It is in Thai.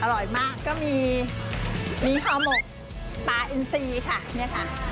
อร่อยมากก็มีหอมกปลาอินทรีย์ค่ะนี่ค่ะ